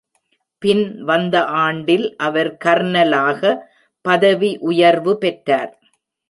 பின் வந்த ஆண்டில் அவர் கர்னலாக பதவி உயர்வு பெற்றார்.